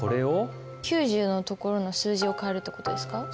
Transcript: ９０のところの数字を変えるってことですか？